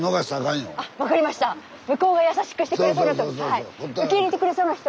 向こうが優しくしてくれそうな人